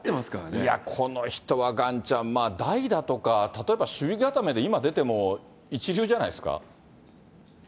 いや、この人はガンちゃん、代打とか、例えば守備固めで今、出ても、一流じゃないですか。